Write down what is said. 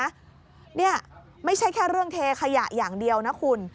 เนี่ยไม่ใช่แค่เรื่องเทขยะอย่างเดียวนะคุณ